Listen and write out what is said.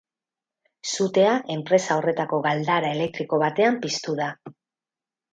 Sutea enpresa horretako galdara elektriko batean piztu da.